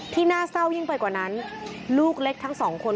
น่าเศร้ายิ่งไปกว่านั้นลูกเล็กทั้งสองคน